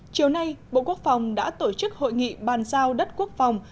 chiều nay bộ quốc phòng đã tổ chức hội nghị bàn giao đất quốc phòng